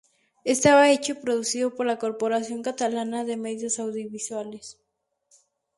Estaba hecho y producido por la Corporación Catalana de Medios Audiovisuales.